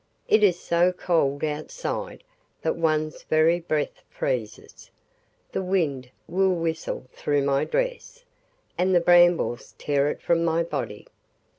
it is so cold outside that one's very breath freezes; the wind will whistle through my dress, and the brambles tear it from my body.